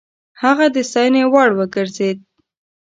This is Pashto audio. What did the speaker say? هغه د ستاينې وړ وګرځېد.